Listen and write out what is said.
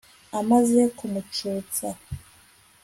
amaze kumucutsa